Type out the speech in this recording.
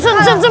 sun sun sun